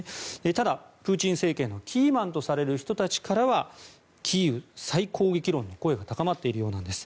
ただ、プーチン政権のキーマンとされる人たちからはキーウ再攻撃論の声が高まっているようです。